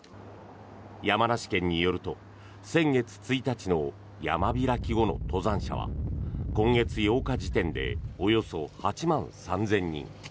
山梨県によると先月１日の山開き後の登山者は今月８日時点でおよそ８万３０００人。